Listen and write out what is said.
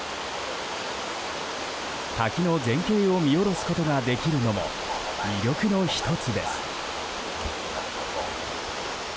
滝の全景を見下ろすことができるのも魅力の１つです。